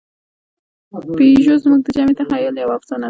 پيژو زموږ د جمعي تخیل یوه افسانه ده.